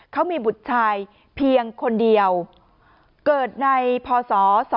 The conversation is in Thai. เขามีบุตรชายเพียงคนเดียวเกิดในพศ๒๕๖